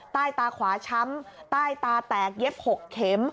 ใต้ตาขวาช้ำใต้ตาแตกเย็บ๖เข็ม